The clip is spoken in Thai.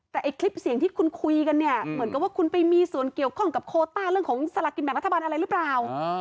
ที่คุณคุยกันเนี่ยคุณไปมีส่วนเกี่ยวกับโคตะเรื่องของสลักกินทางรัฐบาลอะไรหรือเปล่า